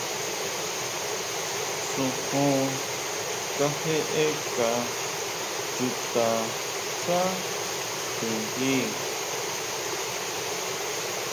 Xojón kajeʼeka chutaxá tjinguí.